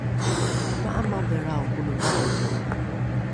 ma’amadhelrao kone va’oro